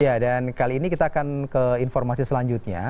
ya dan kali ini kita akan ke informasi selanjutnya